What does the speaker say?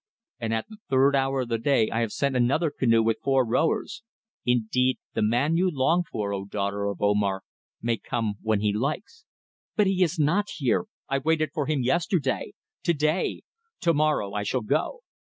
And at the third hour of the day I have sent another canoe with four rowers. Indeed, the man you long for, O daughter of Omar! may come when he likes." "But he is not here! I waited for him yesterday. To day! To morrow I shall go."